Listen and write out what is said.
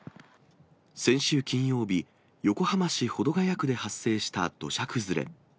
先週金曜日、横浜市保土ケ谷区で発生した土砂崩れ。